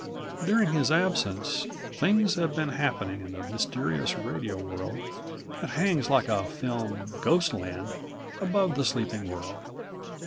45 During his absence things had been happening in the mysterious radio world that hangs like a filmy ghost land above the sleeping world.